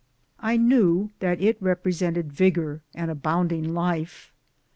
I knew that it represented vigour and abounding life.